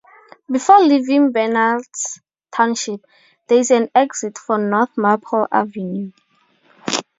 Before leaving Bernards Township, there is an exit for North Maple Avenue.